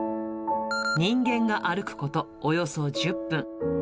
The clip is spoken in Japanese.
人間が歩くこと、およそ１０分。